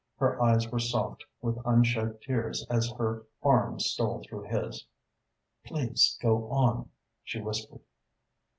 Her eyes were soft with unshed tears as her arm stole through his. "Please go on," she whispered.